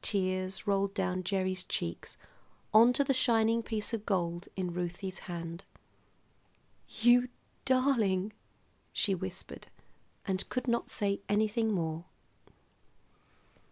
Tears rolled down Gerry's cheeks onto the shining piece of gold in Ruthie's hand. "You darling!" she whispered, and could not say anything more.